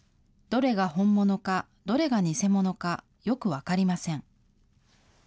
どれが本物か、どれが偽物か、よく分かりません。